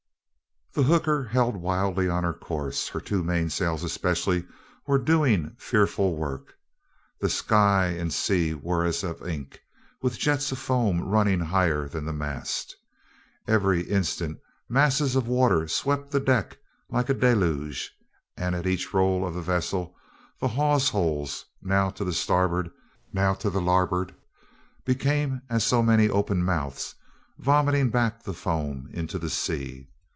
The hooker held wildly on her course. Her two mainsails especially were doing fearful work. The sky and sea were as of ink with jets of foam running higher than the mast. Every instant masses of water swept the deck like a deluge, and at each roll of the vessel the hawse holes, now to starboard, now to larboard, became as so many open mouths vomiting back the foam into the sea.